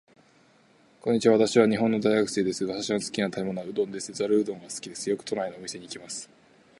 こんにちは。私は日本の大学生です。私の好きな食べ物はうどんです。ざるうどんが好きです。よく都内のお店に行きます。